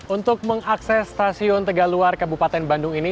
untuk mengakses stasiun tegaluar ke bupaten bandung ini